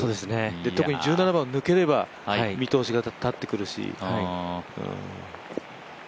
特に１７番抜ければ見通しが立ってくるし。